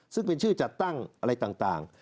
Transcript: ซึ่งเป็นชื่อจัดตั้งอะไรต่าง